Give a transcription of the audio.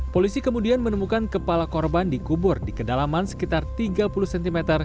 polisi kemudian menemukan kepala korban dikubur di kedalaman sekitar tiga puluh cm